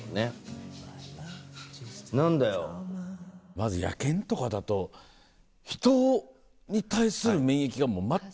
まず野犬とかだと人に対する免疫が全くない。